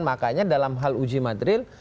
makanya dalam hal uji materi